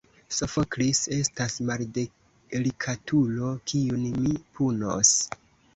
Sofoklis estas maldelikatulo, kiun mi punos.